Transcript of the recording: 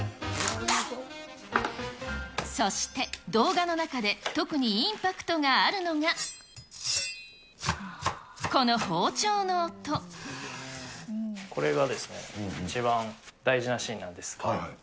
そして、動画の中で特にインこれがですね、一番大事なシーンなんです。